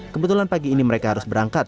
kebetulan pagi ini mereka harus berangkat